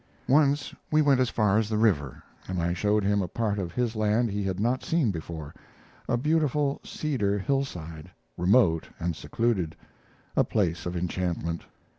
Once we went as far as the river, and I showed him a part of his land he had not seen before a beautiful cedar hillside, remote and secluded, a place of enchantment.